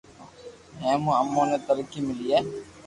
اي مون امون ني ترقي ملئي